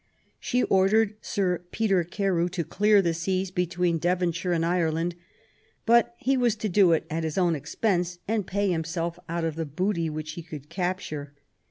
She ordered Sir Peter Carew to clear the seas between Devonshire and Ireland ; but he was to do it at his own expense and pay himself out of the booty which he could capture.